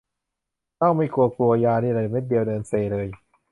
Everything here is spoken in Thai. เหล้าไม่กลัว กลัวยานี่แหละ เม็ดเดียวเดินเซเลย